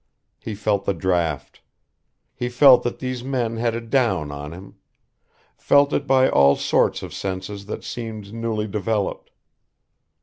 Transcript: He felt the draught. He felt that these men had a down on him; felt it by all sorts of senses that seemed newly developed.